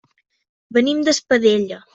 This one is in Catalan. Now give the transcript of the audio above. Venim d'Espadella.